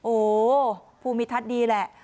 โอ้วภูมิธรรมดีแหล่ะ